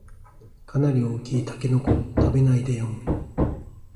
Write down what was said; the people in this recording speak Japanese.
かなり大きいタケノコを食べないでよん